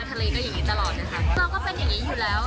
เราก็เป็นอย่างนี้อยู่แล้วค่ะ